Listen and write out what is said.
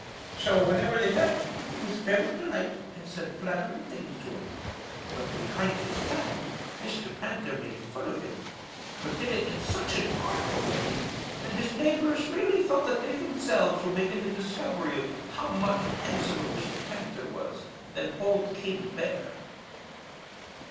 So whenever they met he was very polite and said flattering things to him. But behind his back Mr. Panther made fun of him, but did it in such an artful way that his neighbors merely thought that they themselves were making the discovery of how much handsomer Mr. Panther was than old King Bear.